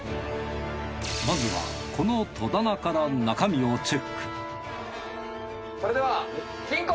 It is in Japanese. まずはこの戸棚から中身をチェックそれでは金庫。